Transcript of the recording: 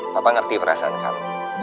papa ngerti perasaan kamu